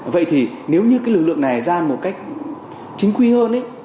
vậy thì nếu như cái lực lượng này ra một cách chính quy hơn ấy